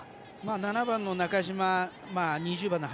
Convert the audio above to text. ７番の中島２０番の林